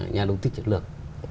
nhà đầu tư chiến lược